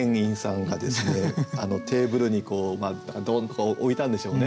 テーブルにドンッと置いたんでしょうね。